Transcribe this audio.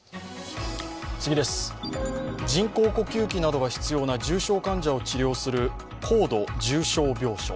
人工呼吸器などが必要な重症患者を治療する高度重症病棟。